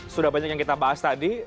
sudah banyak yang kita bahas tadi